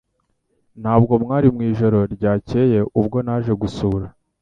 Ntabwo mwari mwijoro ryakeye ubwo naje gusura